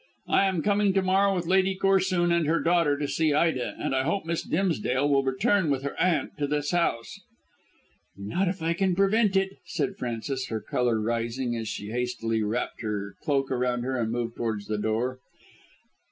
I am coming to morrow with Lady Corsoon and her daughter to see Ida, and I hope Miss Dimsdale will return with her aunt to this house " "Not if I can prevent it," said Frances, her colour rising as she hastily wrapped her cloak round her and moved towards the door.